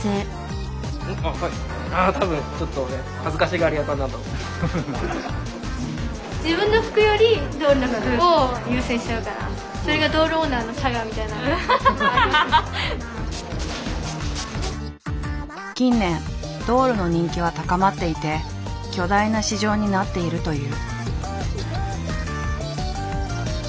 たぶん近年ドールの人気は高まっていて巨大な市場になっているという。